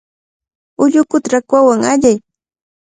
Ullukuta rakwawan allay.